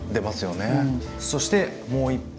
そしてもう１品。